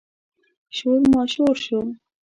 شور ماشور شو.